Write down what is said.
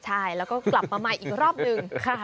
ใช่แล้วก็กลับมาใหม่อีกรอบหนึ่ง